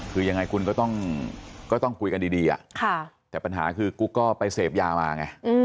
คือยังไงคุณก็ต้องคุยกันดีแต่ปัญหาคือกุ๊กก็ไปเสพยามาไง